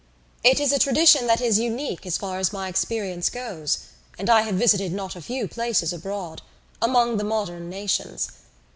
It is a tradition that is unique as far as my experience goes (and I have visited not a few places abroad) among the modern nations.